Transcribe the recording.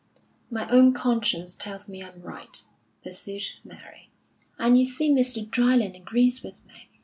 "My own conscience tells me I'm right," pursued Mary, "and you see Mr. Dryland agrees with me.